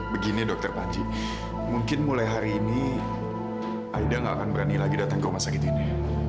begini dokter panci mungkin mulai hari ini aida gak akan berani lagi datang ke rumah sakit ini